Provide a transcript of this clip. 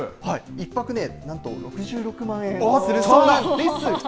１泊なんと６６万円するそうなんですが。